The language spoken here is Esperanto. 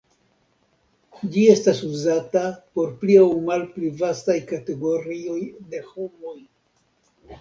Ĝi estas uzata por pli aŭ malpli vastaj kategorioj de homoj.